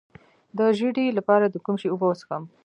د ژیړي لپاره د کوم شي اوبه وڅښم؟